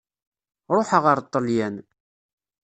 Ṛuḥeɣ ar Ṭelyan.